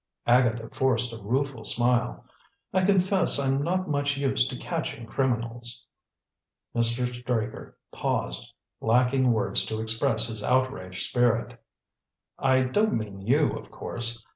Agatha forced a rueful smile. "I confess I'm not much used to catching criminals." Mr. Straker paused, lacking words to express his outraged spirit "I don't mean you, of course.